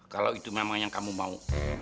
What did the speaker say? kalau itu memang yang kamu mau